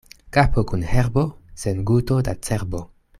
Kapo kun herbo, sen guto da cerbo.